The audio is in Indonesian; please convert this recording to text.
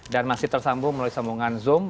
dan masih tersambung melalui sambungan zoom